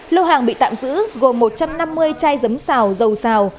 lô hàng bị tạm giữ gồm một trăm năm mươi chai dấm xào dầu xào